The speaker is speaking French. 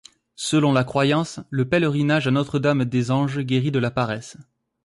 Selon la croyance, le pèlerinage à Notre-Dame-des-Anges guérit de la paresse.